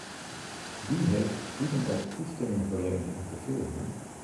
Wie heeft hoe dan ook toestemming verleend om te filmen?